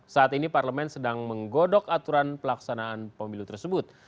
saat ini parlemen sedang menggodok aturan pelaksanaan pemilu tersebut